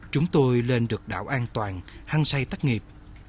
chúng tôi lên được đảo an toàn hăng say tác nghiệp